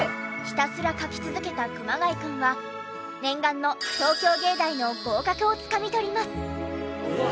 ひたすら描き続けた熊谷くんは念願の東京藝大の合格をつかみ取ります。